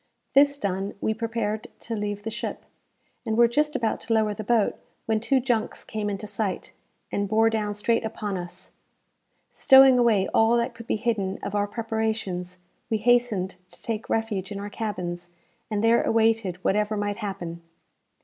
This done, we prepared to leave the ship, and were just about to lower the boat, when two junks came into sight, and bore down straight upon us. Stowing away all that could be hidden of our preparations, we hastened to take refuge in our cabins, and there awaited whatever might happen.